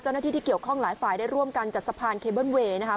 ที่เกี่ยวข้องหลายฝ่ายได้ร่วมกันจัดสะพานเคเบิ้ลเวย์นะคะ